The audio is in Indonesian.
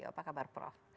apa kabar prof